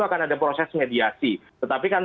akan ada proses mediasi tetapi kan